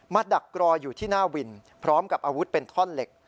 ดักรออยู่ที่หน้าวินพร้อมกับอาวุธเป็นท่อนเหล็ก